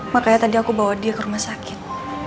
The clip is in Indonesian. makanya tadi aku bawa dia ke rumah sakit